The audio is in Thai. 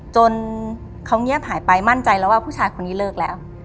จนเขาเงียบหายไปมั่นใจแล้วว่าผู้ชายคนนี้เลิกแล้ว